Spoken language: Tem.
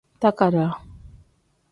Takadaa.